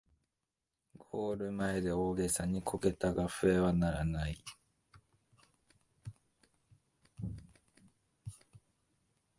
ゴール前で大げさにこけたが笛は鳴らない